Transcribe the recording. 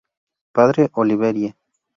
Padre Olivieri.